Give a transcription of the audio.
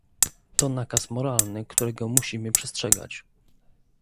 To nakaz moralny, którego musimy przestrzegać